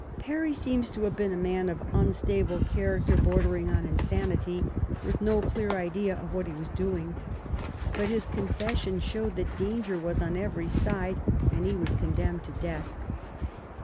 Parry seems to have been a man of unstable character, bordering on insanity, with no clear idea of what he was doing. But his confession showed that danger was on every side, and he was condemned to death.